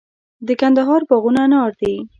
د کندهار باغونه انار دي